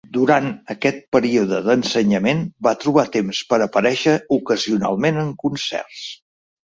Durant aquest període d'ensenyament va trobar temps per aparèixer ocasionalment en concerts.